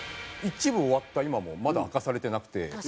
１部終わった今もまだ明かされてなくて。